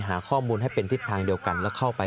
หาข้อมูลให้เป็นทิศทางเดียวกันแล้วเข้าไป